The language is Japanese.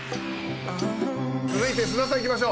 続いて菅田さんいきましょう。